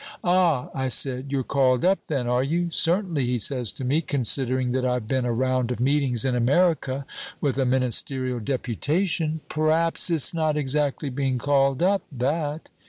" 'Ah,' I said, 'you're called up, then, are you?' 'Certainly,' he says to me, 'considering that I've been a round of meetings in America with a Ministerial deputation. P'raps it's not exactly being called up, that?